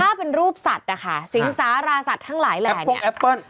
ถ้าเป็นรูปสัตว์อะค่ะศิงสาราสัตว์ทั้งหลายแหล่ง